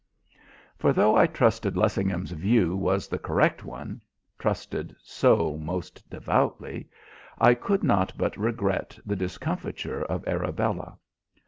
For though I trusted Lessingham's view was the correct one trusted so most devoutly I could not but regret the discomfiture of Arabella.